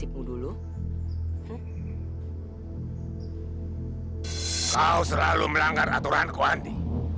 kau selalu melanggar aturanku andi